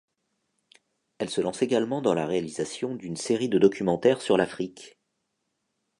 Elle se lance également dans la réalisation d'une série de documentaires sur l'Afrique.